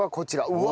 うわ！